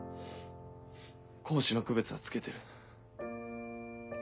公私の区別はつけてる。